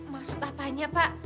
maksud apanya pak